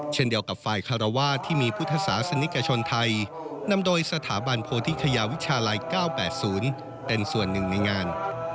เช่นเดียวกับฝ่ายคารวาสที่มีพุทธศาสนิกชนไทยนำโดยสถาบันโพธิชยาวิชาลัย๙๘๐เป็นส่วนหนึ่งในงาน